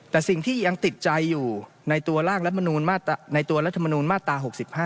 แต่สิ่งที่ยังติดใจอยู่ในตัวรัฐมนูญมาตรา๖๕